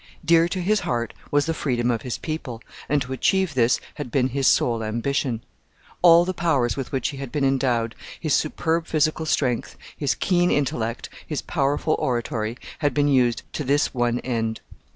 Dear to his heart was the freedom of his people, and to achieve this had been his sole ambition. All the powers with which he had been endowed his superb physical strength, his keen intellect, his powerful oratory had been used to this one end.